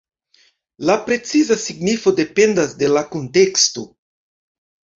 La preciza signifo dependas de la kunteksto.